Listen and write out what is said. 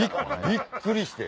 びっくりして。